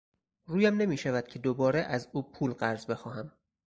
رویم نمیشود که دوباره از او پول قرض بخواهم.